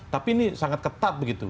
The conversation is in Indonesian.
tapi ini sangat ketat begitu